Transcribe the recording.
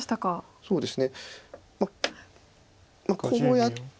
そうですね。